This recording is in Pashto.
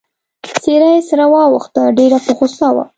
څېره يې سره واوښته، ډېره په غوسه وه.